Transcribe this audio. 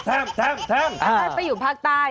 ประหลาดองที่อยู่ภาคเหนือ